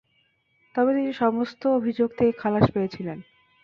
তবে তিনি সমস্ত অভিযোগ থেকে খালাস পেয়েছিলেন।